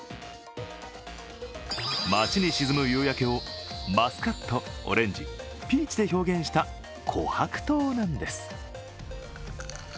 街に沈む夕焼けをマスカットオレンジ、ピーチで表現したこはく糖なんです。